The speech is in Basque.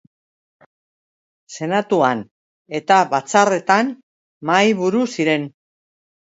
Senatuan eta batzarretan mahaiburu ziren.